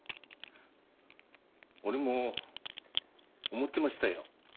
俺も思ってましたよ